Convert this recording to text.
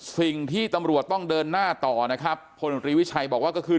สิ่งที่ตำรวจต้องเดินหน้าต่อนะครับพลตรีวิชัยบอกว่าก็คือ